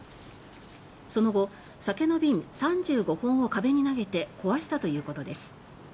その後、酒瓶３５本を壁に投げて壊したということです。